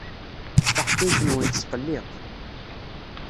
Taḥkayt-nwen tesqelliq.